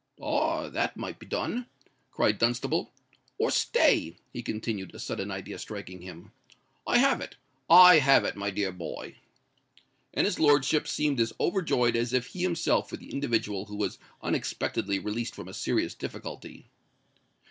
"Ah! that might be done!" cried Dunstable. "Or, stay!" he continued, a sudden idea striking him: "I have it—I have it, my dear boy!" And his lordship seemed as overjoyed as if he himself were the individual who was unexpectedly released from a serious difficulty.